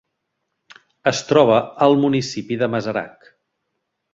Es troba al municipi de Masarac.